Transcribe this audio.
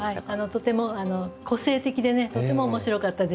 とても個性的でとても面白かったですね。